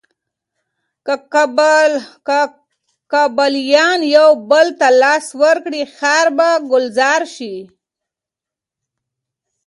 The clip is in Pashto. که کابليان یو بل ته لاس ورکړي، ښار به ګلزار شي.